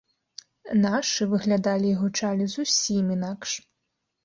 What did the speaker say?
Нашы выглядалі і гучалі зусім інакш.